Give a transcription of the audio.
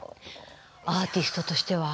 アーティストとしては？